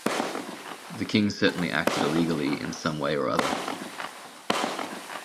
The king certainly acted illegally in some way or other.